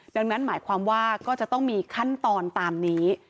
ดังนั้นหมายความว่าก็จะต้องมีขั้นตอนตามนี้